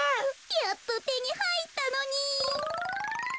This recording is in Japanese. やっとてにはいったのに。